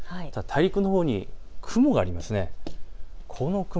大陸のほうに雲がありますね。